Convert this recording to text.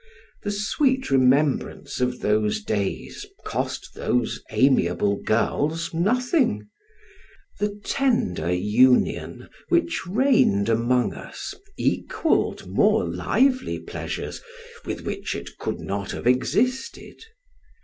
The sweet remembrance of those days cost those amiable girls nothing; the tender union which reigned among us equalled more lively pleasures, with which it could not have existed.